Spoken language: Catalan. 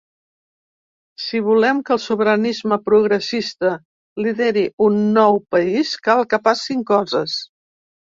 Si volem que el sobiranisme progressista lideri un nou país cal que passin coses.